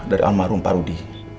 dari almarhum parudi